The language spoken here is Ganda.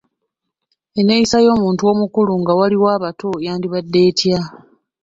Enneeyisa y’omuntu omukulu nga waliwo abato yandibadde etya?